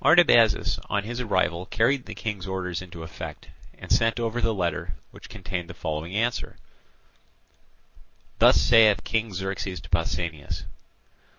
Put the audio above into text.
Artabazus on his arrival carried the King's orders into effect, and sent over the letter, which contained the following answer: "Thus saith King Xerxes to Pausanias.